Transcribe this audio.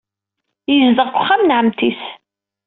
Yezdeɣ deg uxxam n ɛemmti-s.